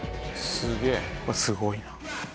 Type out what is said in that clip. すごいな。